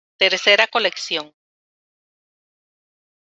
Tercera colección.